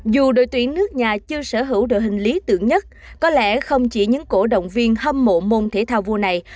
dù đội tuyển nước nhà chưa sở hữu được hình lý tưởng nhất có lẽ không chỉ những cổ động viên hâm mộ môn thể thao vua này